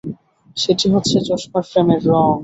সেটি হচ্ছে চশমার ফ্রেমের রঙ।